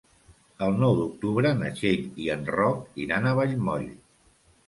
El nou d'octubre na Txell i en Roc iran a Vallmoll.